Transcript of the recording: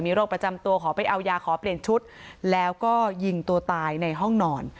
โรคประจำตัวขอไปเอายาขอเปลี่ยนชุดแล้วก็ยิงตัวตายในห้องนอน